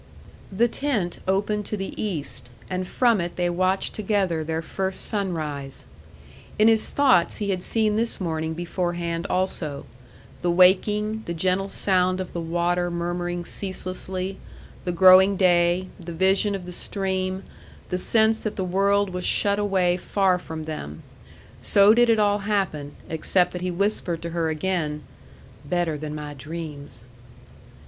The tent opened to the east, and from it they watched together their first sunrise. In his thoughts he had seen this morning beforehand also: the waking, the gentle sound of the water murmuring ceaselessly, the growing day, the vision of the stream, the sense that the world was shut away far from them. So did it all happen, except that he whispered to her again: "Better than my dreams."